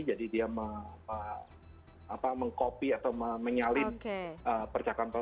jadi dia mengkopi atau menyalin percakapan tersebut